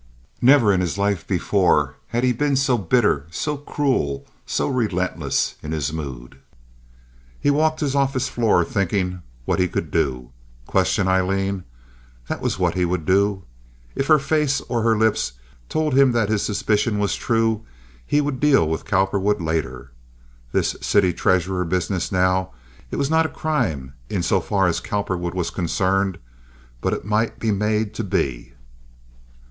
Never in his life before had he been so bitter, so cruel, so relentless in his mood. He walked his office floor thinking what he could do. Question Aileen—that was what he would do. If her face, or her lips, told him that his suspicion was true, he would deal with Cowperwood later. This city treasurer business, now. It was not a crime in so far as Cowperwood was concerned; but it might be made to be.